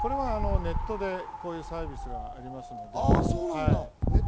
ネットでこういうサービスがあります。